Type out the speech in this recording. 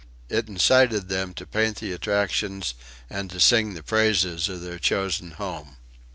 It incited them to paint the attractions and to sing the praises of their chosen home.